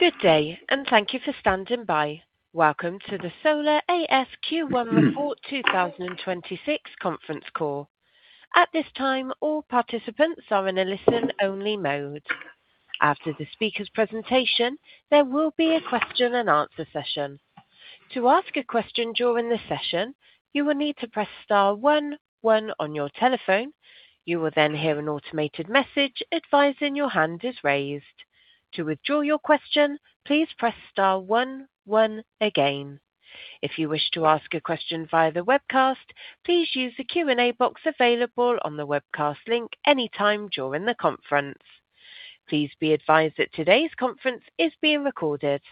Good day, thank you for standing by. Welcome to the Solar A/S Q1 report 2026 conference call. At this time, all participants are in a listen-only mode. After the speaker's presentation, there will be a question and answer session. To ask a question during the session, you will need to press star one one on your telephone. You will then hear an automated message advising your hand is raised. To withdraw your question, please press star one one again. If you wish to ask a question via the webcast, please use the Q&A box available on the webcast link any time during the conference. Please be advised that today's conference is being recorded.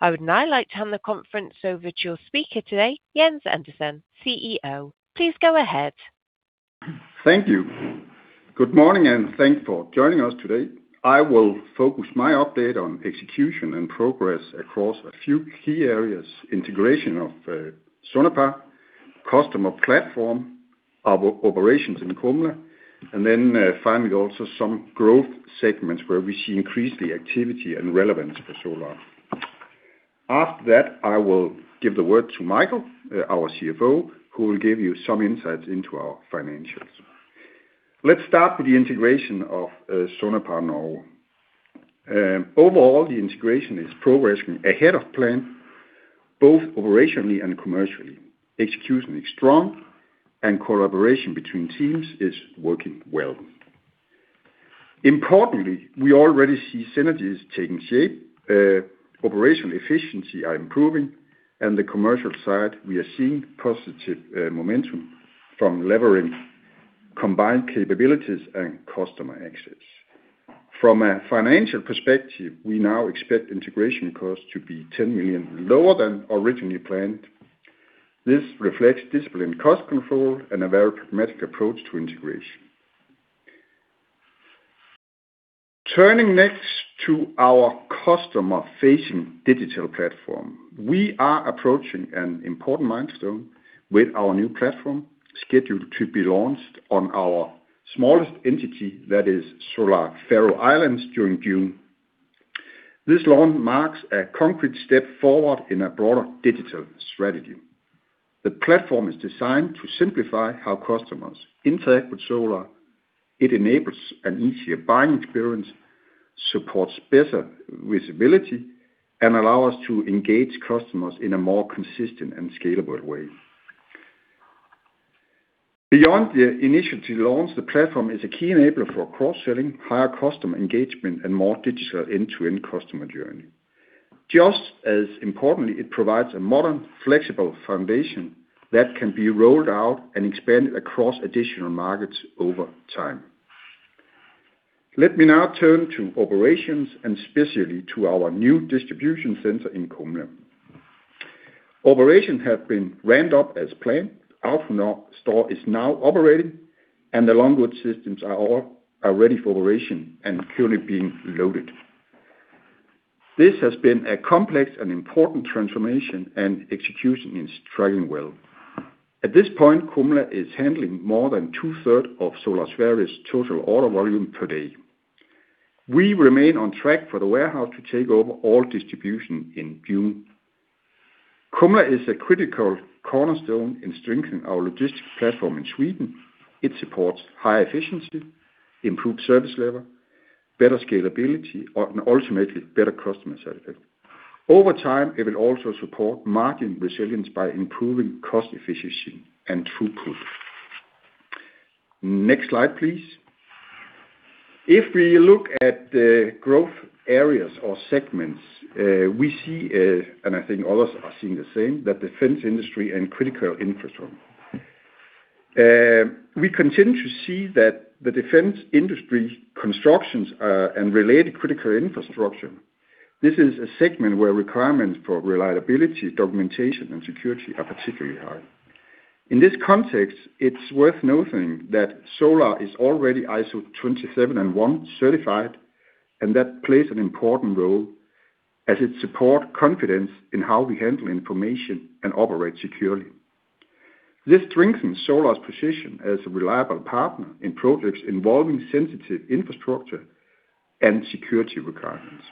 I would now like to hand the conference over to your speaker today, Jens Andersen, CEO. Please go ahead. Thank you. Good morning, and thanks for joining us today. I will focus my update on execution and progress across a few key areas, integration of Sonepar, customer platform, operations in Kumla, and then, finally, also some growth segments where we see increased activity and relevance for Solar. After that, I will give the word to Michael, our CFO, who will give you some insights into our financials. Let's start with the integration of Sonepar now. Overall, the integration is progressing ahead of plan, both operationally and commercially. Execution is strong and collaboration between teams is working well. Importantly, we already see synergies taking shape, operational efficiency are improving, and the commercial side, we are seeing positive momentum from levering combined capabilities and customer access. From a financial perspective, we now expect integration costs to be 10 million lower than originally planned. This reflects disciplined cost control and a very pragmatic approach to integration. Turning next to our customer-facing digital platform. We are approaching an important milestone with our new platform scheduled to be launched on our smallest entity, that is Solar Faroe Islands, during June. This launch marks a concrete step forward in a broader digital strategy. The platform is designed to simplify how customers interact with Solar. It enables an easier buying experience, supports better visibility, and allow us to engage customers in a more consistent and scalable way. Beyond the initial launch, the platform is a key enabler for cross-selling, higher customer engagement, and more digital end-to-end customer journey. Just as importantly, it provides a modern, flexible foundation that can be rolled out and expanded across additional markets over time. Let me now turn to operations, and especially to our new distribution center in Kumla. Operations have been ramped up as planned. Our store is now operating, and along with systems are ready for operation and currently being loaded. This has been a complex and important transformation, execution is tracking well. At this point, Kumla is handling more than 2/3 of Solar's various total order volume per day. We remain on track for the warehouse to take over all distribution in June. Kumla is a critical cornerstone in strengthening our logistics platform in Sweden. It supports high efficiency, improved service level, better scalability, ultimately better customer satisfaction. Over time, it will also support margin resilience by improving cost efficiency and throughput. Next slide, please. If we look at the growth areas or segments, we see, I think others are seeing the same, the defense industry and critical infrastructure. We continue to see that the defense industry constructions, and related critical infrastructure, this is a segment where requirements for reliability, documentation, and security are particularly high. In this context, it's worth noting that Solar is already ISO 27001 certified, and that plays an important role as it support confidence in how we handle information and operate securely. This strengthens Solar's position as a reliable partner in projects involving sensitive infrastructure and security requirements.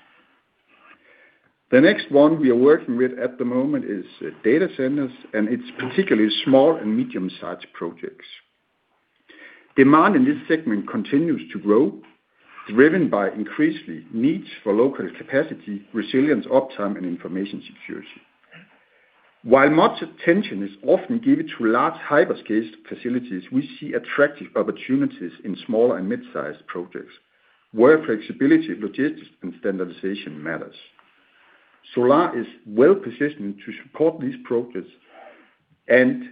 The next one we are working with at the moment is data centers, and it's particularly small and medium-sized projects. Demand in this segment continues to grow, driven by increasing needs for local capacity, resilience, uptime, and information security. While much attention is often given to large hyperscale facilities, we see attractive opportunities in small and mid-sized projects where flexibility, logistics, and standardization matters. Solar is well-positioned to support these projects, and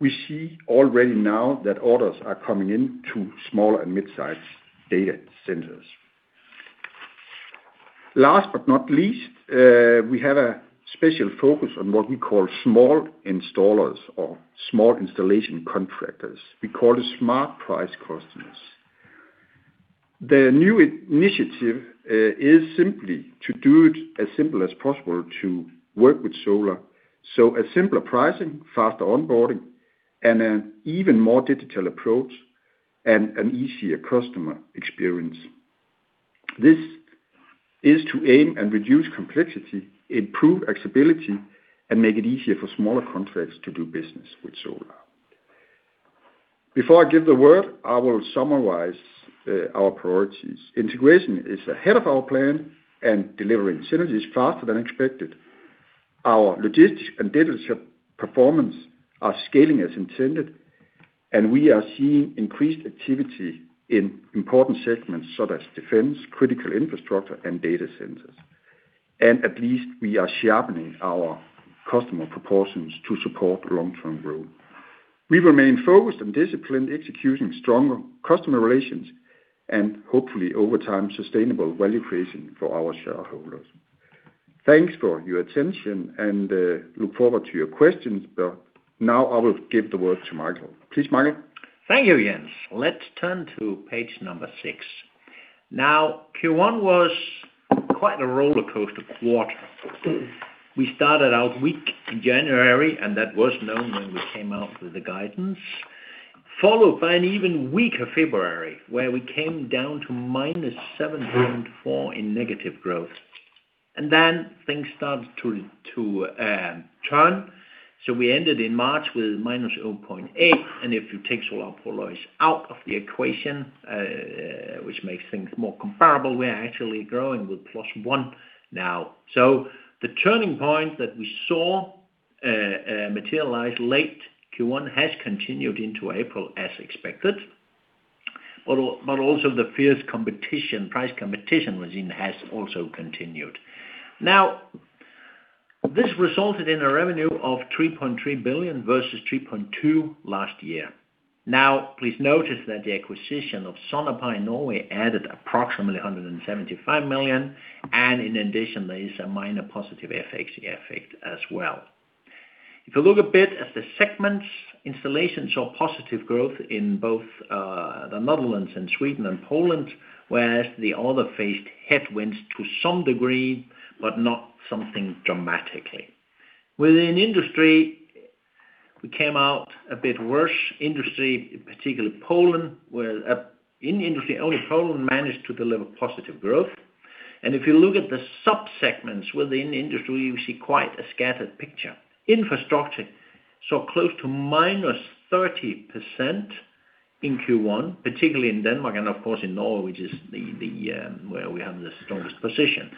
we see already now that orders are coming in to small and mid-sized data centers. Last but not least, we have a special focus on what we call small installers or small installation contractors. We call it Smart Price Customers. The new initiative, is simply to do it as simple as possible to work with Solar. A simpler pricing, faster onboarding, and an even more digital approach. An easier customer experience. This is to aim and reduce complexity, improve accessibility, and make it easier for smaller contracts to do business with Solar. Before I give the word, I will summarize our priorities. Integration is ahead of our plan and delivering synergies faster than expected. Our logistics and data center performance are scaling as intended, and we are seeing increased activity in important segments such as defense, critical infrastructure, and data centers. At least we are sharpening our customer proportions to support long-term growth. We remain focused and disciplined, executing strong customer relations and hopefully over time, sustainable value creation for our shareholders. Thanks for your attention and look forward to your questions. Now I will give the word to Michael. Please, Michael. Thank you, Jens. Let's turn to page number six. Q1 was quite a rollercoaster quarter. We started out weak in January, that was known when we came out with the guidance, followed by an even weaker February where we came down to -7.4% in negative growth. Things started to turn, we ended in March with -0.8%. If you take Solar Polaris out of the equation, which makes things more comparable, we are actually growing with +1% now. The turning point that we saw materialize late Q1 has continued into April as expected. Also the fierce competition, price competition regime has also continued. This resulted in a revenue of 3.3 billion versus 3.2 billion last year. Please notice that the acquisition of Sonepar Norge added approximately 175 million, and in addition, there is a minor positive FX effect as well. If you look a bit at the segments, installations saw positive growth in both the Netherlands and Sweden and Poland, whereas the other faced headwinds to some degree, but not something dramatically. Within industry, we came out a bit worse. Industry, particularly Poland, where in industry only Poland managed to deliver positive growth. If you look at the sub-segments within industry, you see quite a scattered picture. Infrastructure, so close to -30% in Q1, particularly in Denmark and of course in Norway, which is the where we have the strongest position.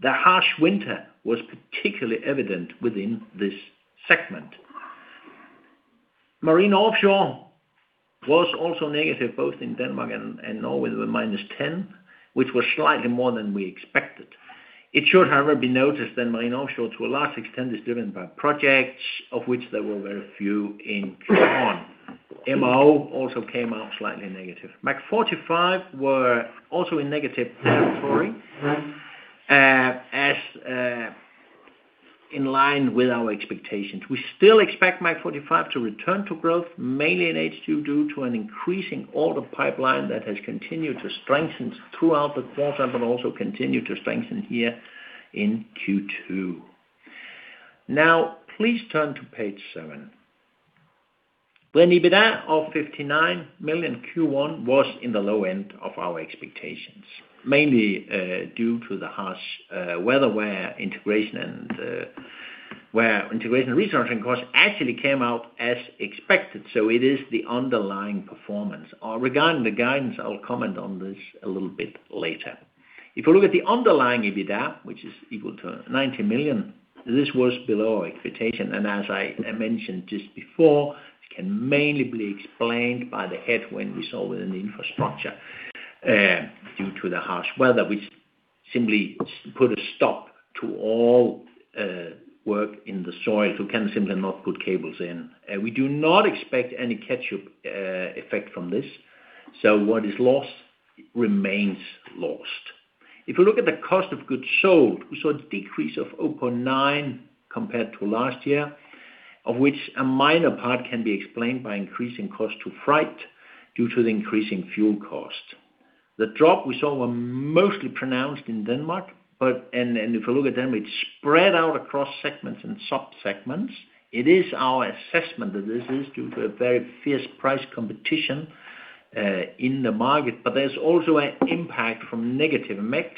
The harsh winter was particularly evident within this segment. Marine offshore was also negative, both in Denmark and Norway with -10, which was slightly more than we expected. It should, however, be noticed that marine offshore, to a large extent, is driven by projects, of which there were very few in Q1. MO also came out slightly negative. MAG45 were also in negative territory as in line with our expectations. We still expect MAG45 to return to growth, mainly in H2, due to an increasing order pipeline that has continued to strengthen throughout the quarter, but also continue to strengthen here in Q2. Please turn to page seven. The EBITDA of 59 million Q1 was in the low end of our expectations, mainly due to the harsh weather where integration and resourcing costs actually came out as expected. It is the underlying performance. Regarding the guidance, I'll comment on this a little bit later. If you look at the underlying EBITDA, which is equal to 90 million, this was below our expectation. As I mentioned just before, it can mainly be explained by the headwind we saw within the infrastructure due to the harsh weather, which simply put a stop to all work in the soil. You can simply not put cables in. We do not expect any catch-up effect from this. What is lost remains lost. If you look at the cost of goods sold, we saw a decrease of 0.9 compared to last year, of which a minor part can be explained by increasing cost to freight due to the increasing fuel costs. The drop we saw were mostly pronounced in Denmark, but if you look at them, it spread out across segments and sub-segments. It is our assessment that this is due to a very fierce price competition in the market, but there's also an impact from negative mix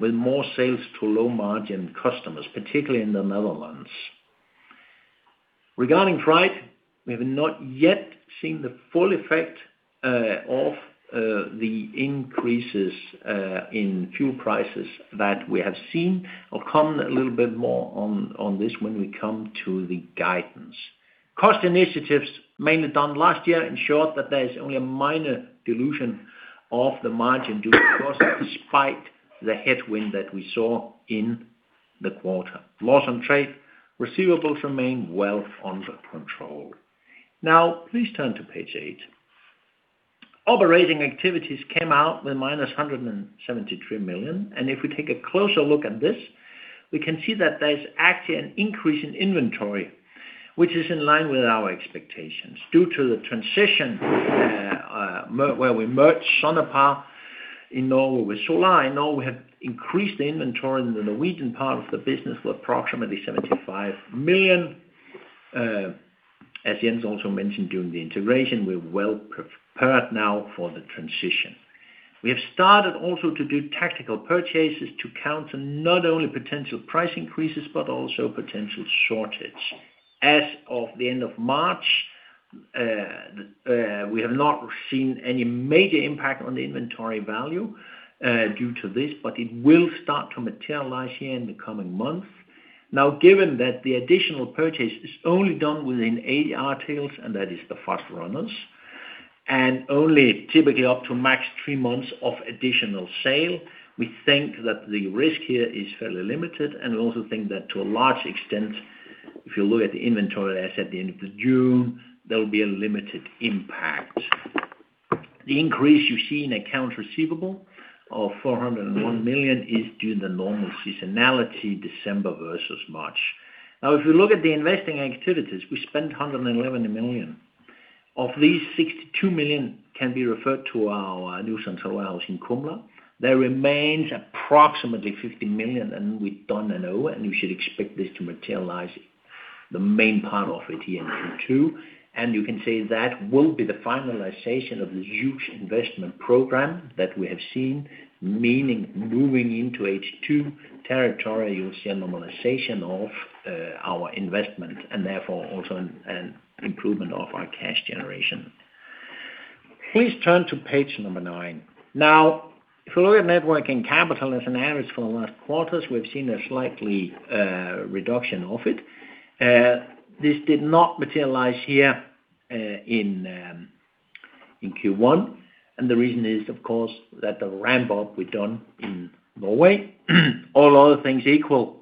with more sales to low-margin customers, particularly in the Netherlands. Regarding freight, we have not yet seen the full effect of the increases in fuel prices that we have seen. I'll comment a little bit more on this when we come to the guidance. Cost initiatives mainly done last year ensured that there is only a minor dilution of the margin due to costs despite the headwind that we saw in the quarter. Loss on trade receivables remain well under control. Now please turn to page eight. Operating activities came out with minus 173 million. If we take a closer look at this, we can see that there's actually an increase in inventory, which is in line with our expectations. Due to the transition, where we merged Sonepar Norge in Norway with Solar, I know we have increased the inventory in the Norwegian part of the business with approximately 75 million. As Jens also mentioned, during the integration, we're well prepared now for the transition. We have started also to do tactical purchases to counter not only potential price increases but also potential shortage. As of the end of March, we have not seen any major impact on the inventory value, due to this, but it will start to materialize here in the coming months. Given that the additional purchase is only done within A/R tails, and that is the fast runners, and only typically up to max three months of additional sale, we think that the risk here is fairly limited, and we also think that to a large extent, if you look at the inventory, as at the end of June, there will be a limited impact. The increase you see in accounts receivable of 401 million is due to the normal seasonality, December versus March. If you look at the investing activities, we spent 111 million. Of these, 62 million can be referred to our new Solar warehouse in Kumla. There remains approximately 50 million, and you should expect this to materialize the main part of it here in Q2. You can say that will be the finalization of the huge investment program that we have seen, meaning moving into H2 territory, you'll see a normalization of our investment and therefore also an improvement of our cash generation. Please turn to page number nine. If you look at net working capital as an average for the last quarters, we've seen a slightly reduction of it. This did not materialize here in Q1, the reason is, of course, that the ramp-up we've done in Norway. All other things equal,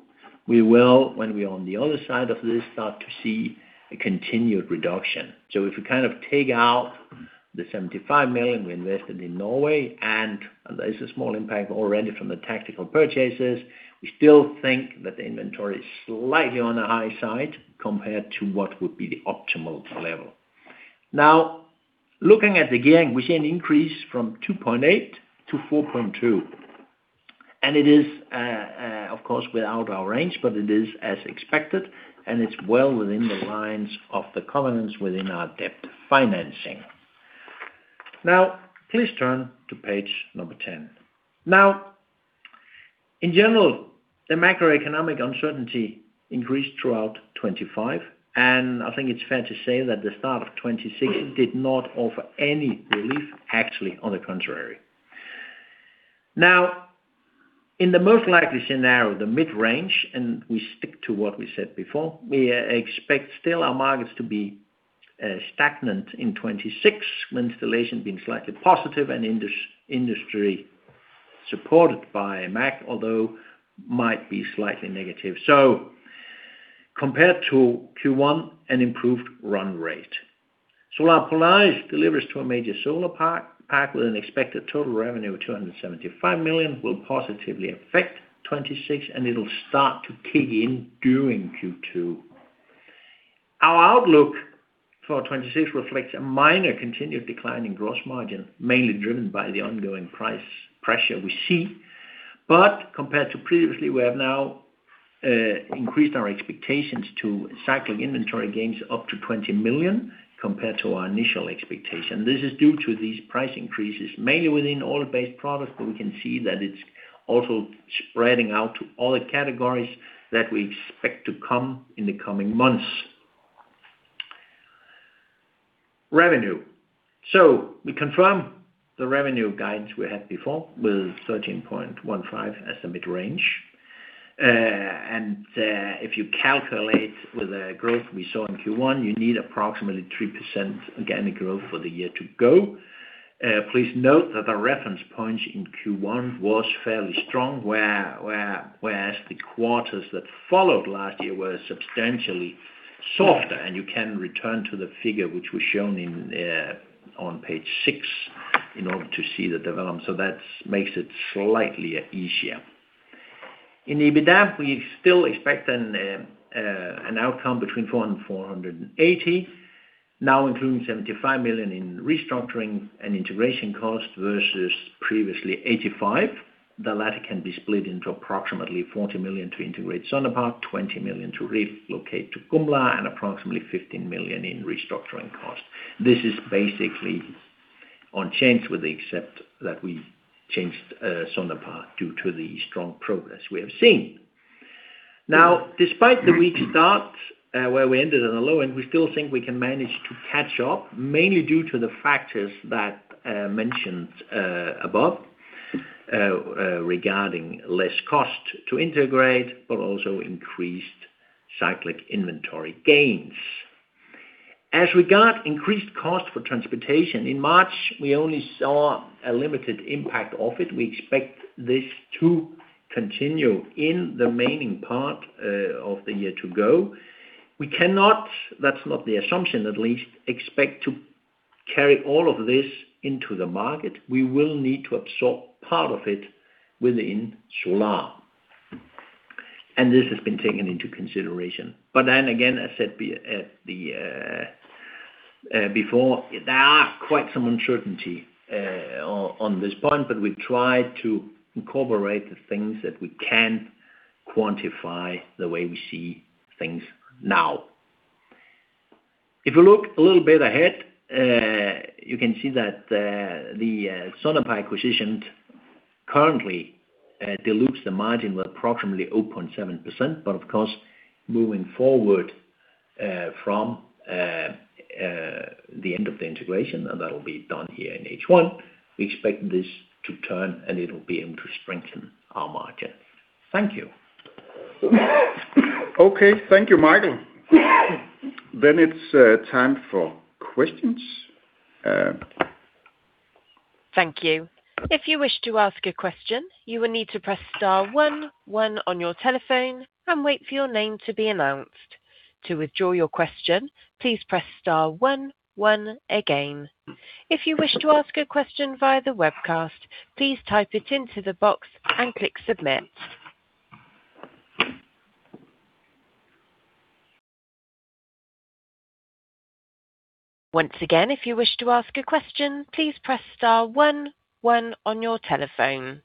we will, when we're on the other side of this, start to see a continued reduction. If you kind of take out the 75 million we invested in Norway, and there is a small impact already from the tactical purchases, we still think that the inventory is slightly on the high side compared to what would be the optimal level. Looking at the gearing, we see an increase from 2.8 to 4.2, and it is, of course, without our range, but it is as expected, and it's well within the lines of the covenants within our debt financing. Please turn to page 10. In general, the macroeconomic uncertainty increased throughout 2025, and I think it's fair to say that the start of 2026 did not offer any relief, actually on the contrary. In the most likely scenario, the mid-range, and we stick to what we said before, we expect still our markets to be stagnant in 2026, with installation being slightly positive and industry supported by MAC, although might be slightly negative. Compared to Q1, an improved run rate. Solar Polaris delivers to a major solar park with an expected total revenue of 275 million will positively affect 2026, and it'll start to kick in during Q2. Our outlook for 2026 reflects a minor continued decline in gross margin, mainly driven by the ongoing price pressure we see. Compared to previously, we have now increased our expectations to cycling inventory gains up to 20 million compared to our initial expectation. This is due to these price increases, mainly within oil-based products, but we can see that it's also spreading out to other categories that we expect to come in the coming months. Revenue. We confirm the revenue guidance we had before with 13.15 as the mid-range. If you calculate with the growth we saw in Q1, you need approximately 3% organic growth for the year to go. Please note that the reference point in Q1 was fairly strong, whereas the quarters that followed last year were substantially softer, and you can return to the figure which was shown on page six in order to see the development. That's makes it slightly easier. In EBITDA, we still expect an outcome between 400 million and 480 million, now including 75 million in restructuring and integration costs versus previously 85 million. The latter can be split into approximately 40 million to integrate Sonepar, 20 million to relocate to Kumla, and approximately 15 million in restructuring costs. This is basically unchanged with the except that we changed Sonepar due to the strong progress we have seen. Despite the weak start, where we ended on a low end, we still think we can manage to catch up, mainly due to the factors that mentioned above regarding less cost to integrate but also increased cyclic inventory gains. We got increased cost for transportation, in March, we only saw a limited impact of it. We expect this to continue in the remaining part of the year to go. We cannot, that's not the assumption at least, expect to carry all of this into the market. We will need to absorb part of it within Solar, and this has been taken into consideration. Then again, as said before, there are quite some uncertainty on this point, but we try to incorporate the things that we can quantify the way we see things now. If you look a little bit ahead, you can see that the Sonepar acquisitions currently dilutes the margin with approximately 0.7%. Of course, moving forward from the end of the integration, and that'll be done here in H1, we expect this to turn, and it'll be able to strengthen our margin. Thank you. Okay. Thank you, Michael. It's time for questions. Thank you. If you wish to ask a question, you will need to press star one one on your telephone and wait for your name to be announced. To withdraw your question, please press star one one again. If you wish to ask a question via the webcast, please type it into the box and click submit. Once again, if you wish to ask a question, please press star one one on your telephone.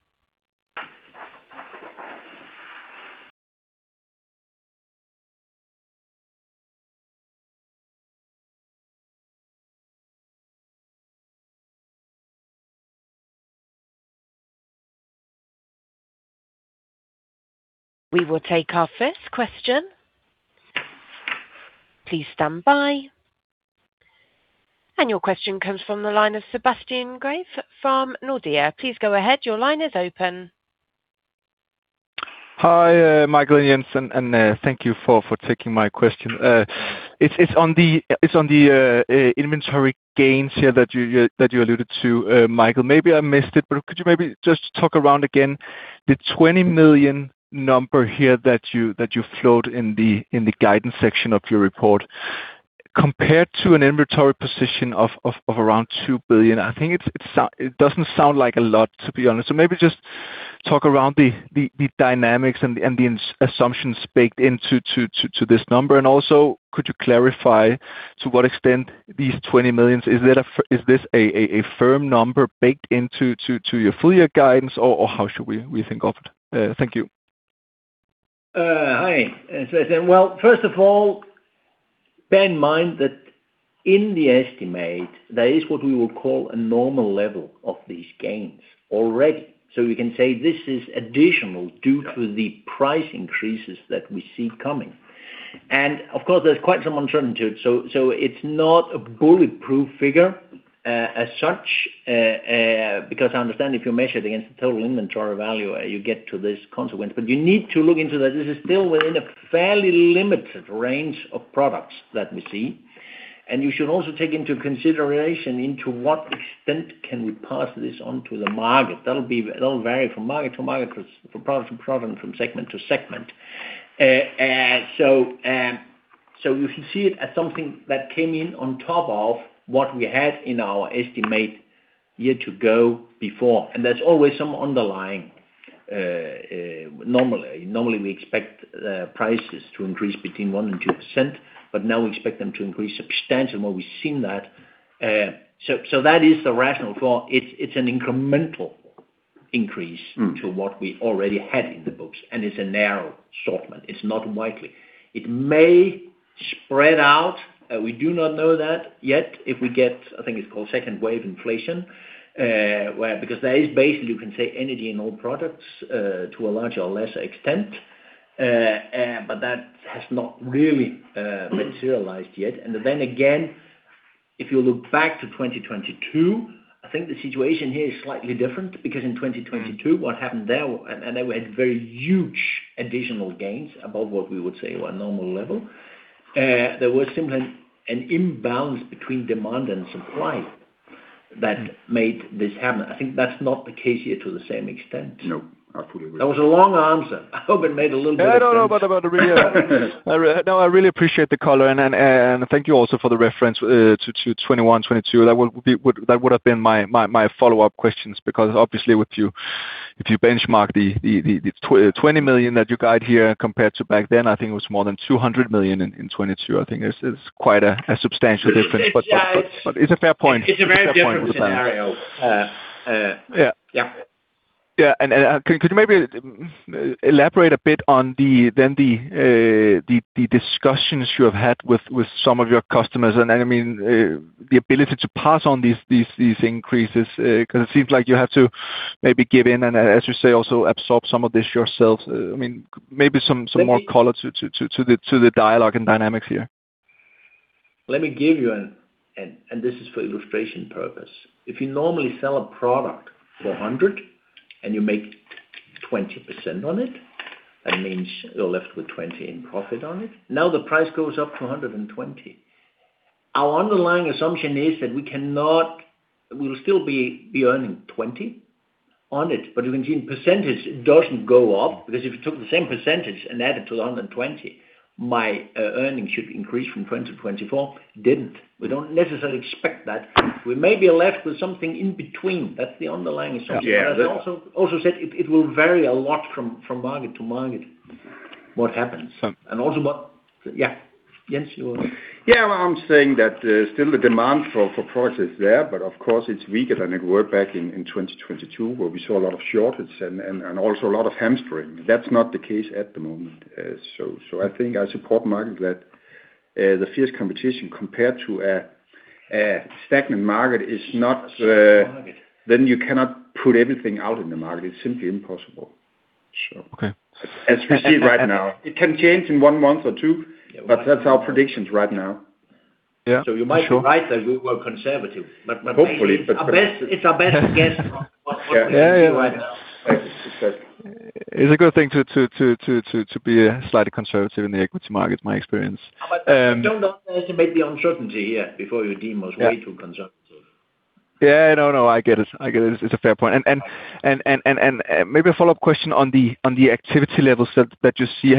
We will take our first question. Please stand by. Your question comes from the line of Sebastian Grave from Nordea. Please go ahead. Your line is open. Hi, Michael and Jens, and thank you for taking my question. It's on the inventory gains here that you, that you alluded to, Michael. Maybe I missed it, but could you maybe just talk around again the 20 million number here that you, that you float in the guidance section of your report? Compared to an inventory position of around 2 billion, I think it doesn't sound like a lot, to be honest. Maybe just talk around the dynamics and the assumptions baked into this number. Could you clarify to what extent these 20 million, is this a firm number baked into your full year guidance, or how should we think of it? Thank you. Hi, Sebastian. Well, first of all, bear in mind that in the estimate, there is what we would call a normal level of these gains already. We can say this is additional due to the price increases that we see coming. Of course, there's quite some uncertainty to it, so it's not a bulletproof figure as such, because I understand if you measure it against the total inventory value, you get to this consequence. You need to look into that. This is still within a fairly limited range of products that we see. You should also take into consideration into what extent can we pass this on to the market. It'll vary from market to market, from product to product, from segment to segment. You can see it as something that came in on top of what we had in our estimate year to go before. Normally, we expect prices to increase between 1% and 2%, but now we expect them to increase substantially. We've seen that. That is the rationale for It's an incremental increase to what we already had in the books, and it's a narrow assortment. It's not widely. It may spread out. We do not know that yet. If we get, I think it's called second wave inflation, where there is basically, you can say, energy in all products, to a larger or lesser extent. That has not really materialized yet. Then again, if you look back to 2022, I think the situation here is slightly different. In 2022, what happened there, and they had very huge additional gains above what we would say were normal level. There was simply an imbalance between demand and supply that made this happen. I think that's not the case here to the same extent. No, I fully agree. That was a long answer. I hope it made a little bit of sense. I don't know about the real No, I really appreciate the color. Thank you also for the reference to 2021, 2022. That would have been my follow-up questions. Obviously, if you benchmark the 20 million that you guide here compared to back then, I think it was more than 200 million in 2022. I think it's quite a substantial difference. It, it, yeah, it's- It's a fair point. It's a very different scenario. It's a fair point with that. Uh, uh- Yeah. Yeah. Yeah. And could you maybe elaborate a bit on the discussions you have had with some of your customers. Then, I mean, the ability to pass on these increases, 'cause it seems like you have to maybe give in and as you say, also absorb some of this yourselves. I mean, maybe some more color. Let me- to the dialogue and dynamics here. Let me give you an... This is for illustration purpose. If you normally sell a product for 100, and you make 20% on it, that means you're left with 20 in profit on it. The price goes up to 120. Our underlying assumption is that we cannot We'll still be earning 20 on it, but you can see in percentage, it doesn't go up. If you took the same percentage and add it to the 120, my earnings should increase from 20 to 24. Didn't. We don't necessarily expect that. We may be left with something in between. That's the underlying assumption. Yeah. As I also said, it will vary a lot from market to market. What happens... Also what... Yeah. Jens, you want? I'm saying that, still the demand for products is there, of course it's weaker than it were back in 2022, where we saw a lot of shortage and also a lot of hamstring. That's not the case at the moment. I think I support Michael that, the fierce competition compared to a stagnant market is not. Stagnant market. You cannot put everything out in the market. It's simply impossible. Okay. As we see it right now. It can change in one month or two, but that's our predictions right now. Yeah. For sure. you might be right that we were conservative, but basically. Hopefully. It's our best guess from what we see right now. Yeah. Exactly. It's a good thing to be slightly conservative in the equity market, in my experience. Don't underestimate the uncertainty here before you deem us way too conservative. Yeah. No, no, I get it. I get it. It's a fair point. Maybe a follow-up question on the activity levels that you see.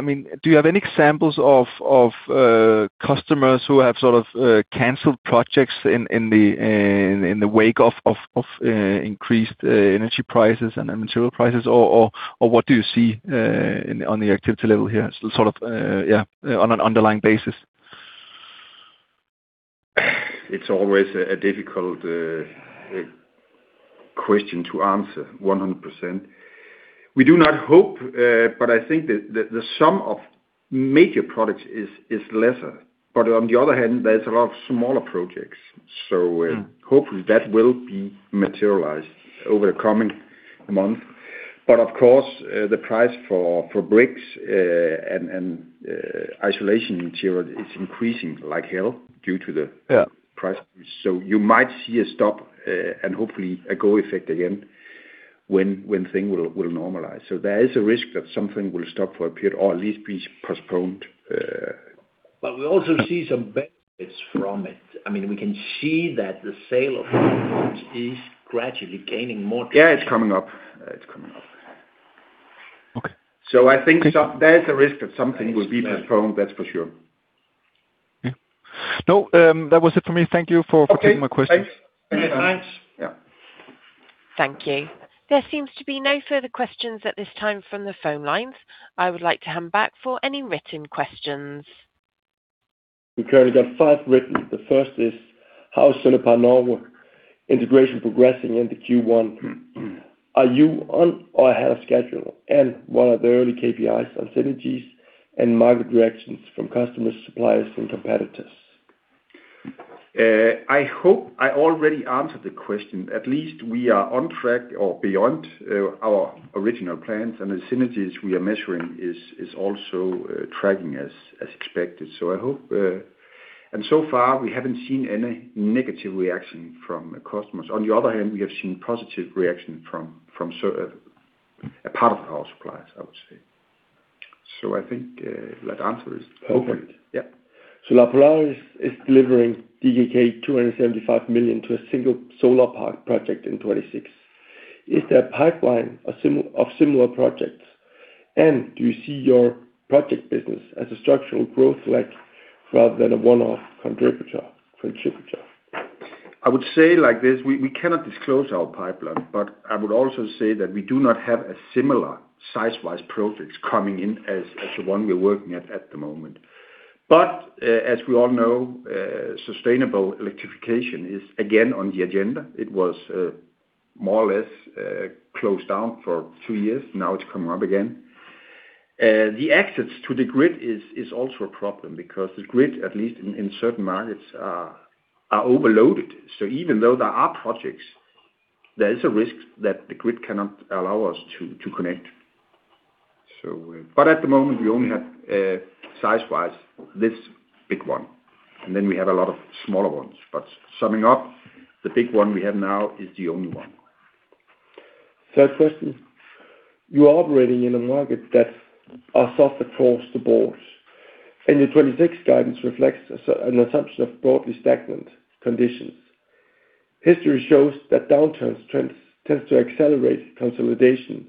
I mean, do you have any examples of customers who have sort of canceled projects in the wake of increased energy prices and material prices? What do you see on the activity level here? Sort of, yeah, on an underlying basis. It's always a difficult question to answer 100%. We do not hope, I think that the sum of major products is lesser. On the other hand, there's a lot of smaller projects. Hopefully, that will be materialized over the coming month. Of course, the price for bricks and isolation material is increasing like hell. Yeah price. You might see a stop, and hopefully a go effect again when thing will normalize. There is a risk that something will stop for a period or at least be postponed. We also see some benefits from it. I mean, we can see that the sale of is gradually gaining more traction. Yeah, it's coming up. It's coming up. Okay. So I think some- Thank you. There is a risk that something will be postponed, that's for sure. Yeah. No, that was it for me. Thank you for taking my questions. Okay. Thanks. Thanks. Yeah. Thank you. There seems to be no further questions at this time from the phone lines. I would like to hand back for any written questions. We currently got five written. The first is: How is Sonepar Norge Norway integration progressing into Q1? Are you on or ahead of schedule? What are the early KPIs on synergies and market directions from customers, suppliers and competitors? I hope I already answered the question. At least we are on track or beyond our original plans, and the synergies we are measuring is also tracking as expected. I hope. So far we haven't seen any negative reaction from customers. On the other hand, we have seen positive reaction from a part of our suppliers, I would say. I think that answer is complete. Okay. Yeah. Sonepar Norge is delivering 275 million to a single solar park project in 2026. Is there a pipeline of similar projects? Do you see your project business as a structural growth leg rather than a one-off contributor? I would say like this: We cannot disclose our pipeline. I would also say that we do not have a similar size-wise projects coming in as the one we're working at the moment. As we all know, sustainable electrification is again on the agenda. It was more or less closed down for two years. Now it's coming up again. The access to the grid is also a problem because the grid, at least in certain markets, are overloaded. Even though there are projects, there is a risk that the grid cannot allow us to connect. At the moment, we only have, size-wise, this big one, and then we have a lot of smaller ones. Summing up, the big one we have now is the only one. Third question. You are operating in a market that are soft across the board, and your 2026 guidance reflects an assumption of broadly stagnant conditions. History shows that downturns tends to accelerate consolidation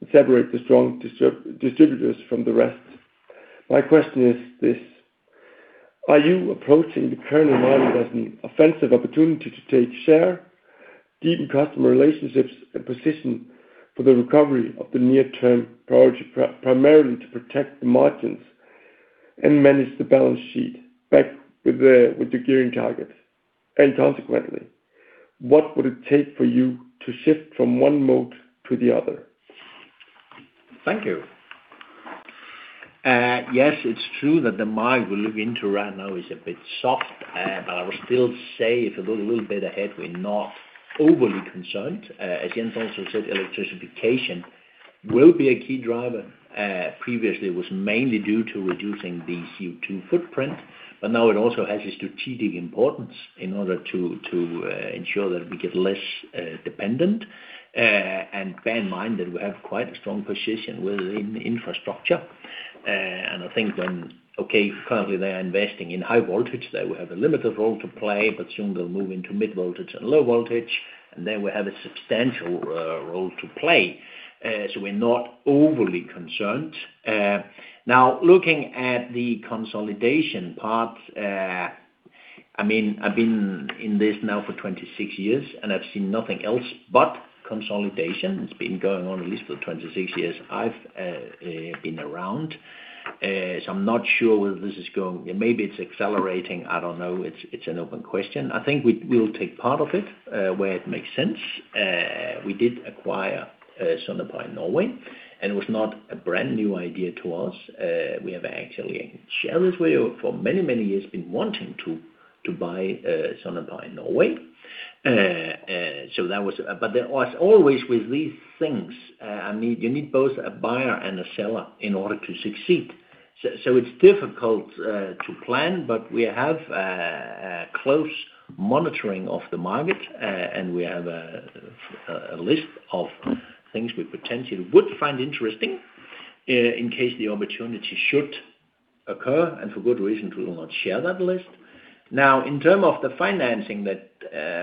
and separate the strong distributors from the rest. My question is this: Are you approaching the current environment as an offensive opportunity to take share, deepen customer relationships, and position for the recovery of the near term priority, primarily to protect the margins and manage the balance sheet back with the gearing targets? Consequently, what would it take for you to shift from one mode to the other? Thank you. Yes, it's true that the market we look into right now is a bit soft. I would still say if you go a little bit ahead, we're not overly concerned. As Jens also said, electrification will be a key driver. Previously, it was mainly due to reducing the CO2 footprint, but now it also has a strategic importance in order to ensure that we get less dependent. Bear in mind that we have quite a strong position within infrastructure. I think when Okay, currently they are investing in high voltage. There we have a limited role to play, but soon they'll move into mid voltage and low voltage, and then we have a substantial role to play. We're not overly concerned. Now, looking at the consolidation part. I mean, I've been in this now for 26 years, and I've seen nothing else but consolidation. It's been going on at least for the 26 years I've been around. I'm not sure where this is going. Maybe it's accelerating, I don't know. It's, it's an open question. I think we'll take part of it where it makes sense. We did acquire Sonepar Norge, and it was not a brand-new idea to us. We have actually, shareholders, for many, many years, been wanting to buy Sonepar Norge. There was always with these things, I mean, you need both a buyer and a seller in order to succeed. It's difficult to plan, but we have close monitoring of the market, and we have a list of things we potentially would find interesting in case the opportunity should occur, and for good reason to not share that list. In terms of the financing that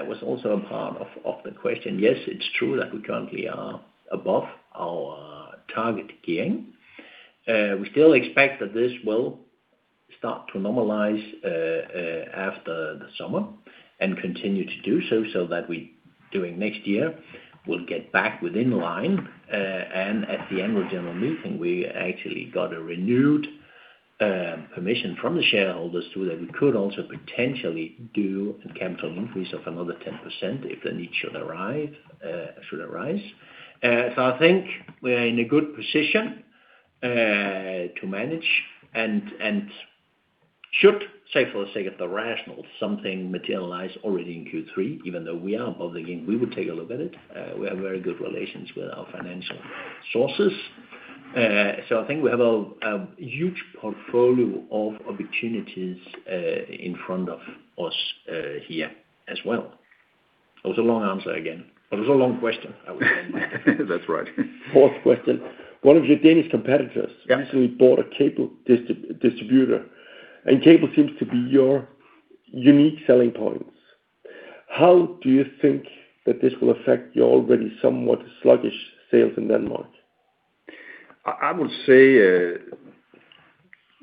was also a part of the question, yes, it's true that we currently are above our target gearing. We still expect that this will start to normalize after the summer and continue to do so that we, during next year, will get back within line. At the annual general meeting, we actually got a renewed permission from the shareholders so that we could also potentially do a capital increase of another 10% if the need should arise. I think we are in a good position to manage and should, say, for the sake of the rational, something materialize already in Q3, even though we are above the game, we would take a look at it. We have very good relations with our financial sources. I think we have a huge portfolio of opportunities in front of us here as well. It was a long answer again. But it was a long question, I would say. That's right. Fourth question. One of your Danish competitors. Recently bought a cable distributor, and cable seems to be your unique selling points. How do you think that this will affect your already somewhat sluggish sales in Denmark? I would say,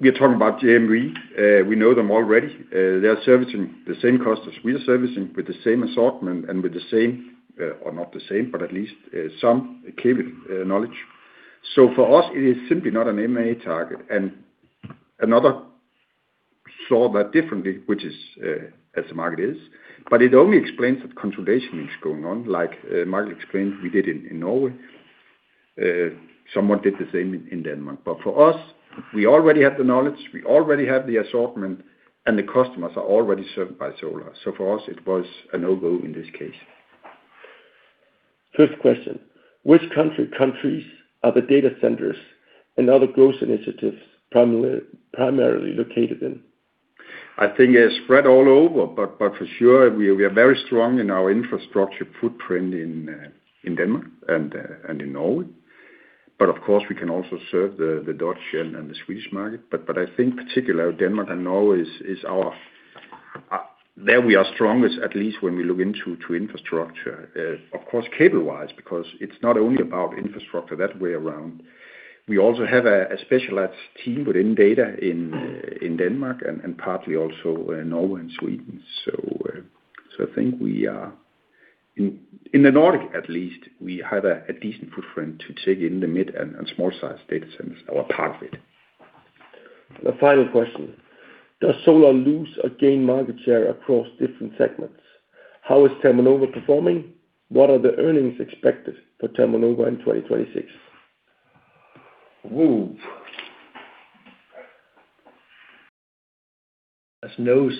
we are talking about JMV. We know them already. They are servicing the same cost as we are servicing, with the same assortment, and with the same, or not the same, but at least, some cable, knowledge. For us, it is simply not an M&A target. Another saw that differently, which is, as the market is. It only explains that consolidation is going on. Like, Michael explained, we did in Norway. Someone did the same in Denmark. For us, we already have the knowledge, we already have the assortment, and the customers are already served by Solar. For us, it was a no-go in this case. Fifth question. Which country, countries are the data centers and other growth initiatives primarily located in? I think it's spread all over, but for sure, we are very strong in our infrastructure footprint in Denmark and in Norway. Of course, we can also serve the Dutch and the Swedish market. I think particular Denmark and Norway is our, there we are strongest, at least when we look into infrastructure. Of course, cable-wise, because it's not only about infrastructure that way around. We also have a specialized team within data in Denmark and partly also in Norway and Sweden. I think we are in the Nordic, at least, we have a decent footprint to take in the mid and small-sized data centers or part of it. The final question. Does Solar lose or gain market share across different segments? How is Thermonova performing? What are the earnings expected for Thermonova in 2026? Whoa. There's no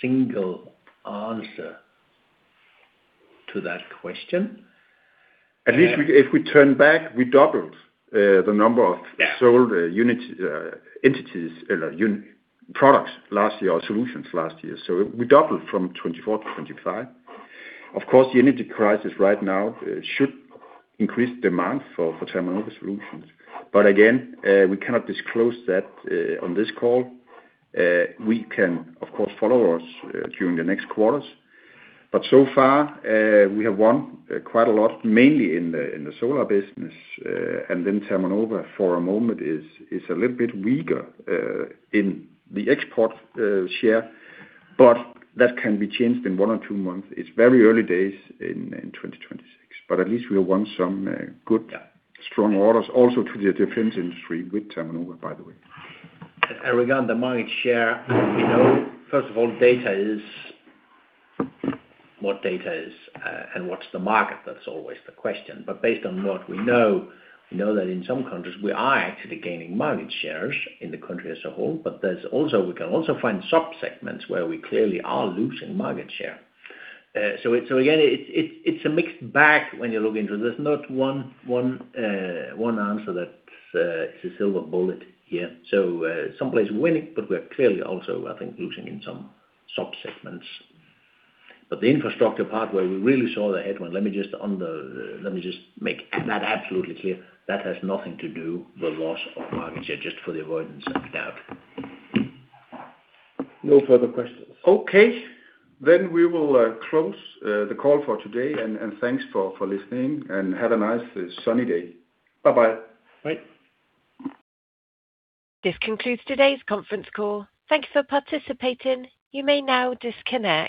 single answer to that question. If we turn back, we doubled, the number of. Yeah. sold unit entities products last year or solutions last year. We doubled from 2024 to 2025. Of course, the energy crisis right now should increase demand for Thermonova solutions. Again, we cannot disclose that on this call. We can, of course, follow us during the next quarters. So far, we have won quite a lot, mainly in the solar business. Then Thermonova, for a moment is a little bit weaker in the export share, but that can be changed in one or two months. It's very early days in 2026. At least we won some good- Yeah. -strong orders also to the defense industry with Thermonova, by the way. Regarding the market share, we know, first of all, data is what data is, and what's the market. That's always the question. Based on what we know, we know that in some countries, we are actually gaining market shares in the country as a whole. There's also, we can also find sub-segments where we clearly are losing market share. So again, it's a mixed bag when you look into this. There's not one answer that is a silver bullet here. Some places winning, but we're clearly also, I think, losing in some sub-segments. The infrastructure part where we really saw the headwind, let me just make that absolutely clear, that has nothing to do with loss of market share, just for the avoidance of doubt. No further questions. Okay. We will close the call for today and thanks for listening and have a nice sunny day. Bye-bye. Bye. This concludes today's conference call. Thank you for participating. You may now disconnect.